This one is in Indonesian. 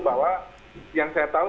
bahwa yang saya tahu